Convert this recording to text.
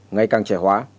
ngày càng trẻ hóa